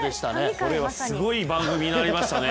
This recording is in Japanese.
これはすごい番組になりましたね。